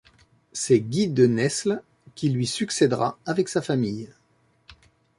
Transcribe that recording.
C'est Guy de Nesles qui lui succèdera, avec sa famille.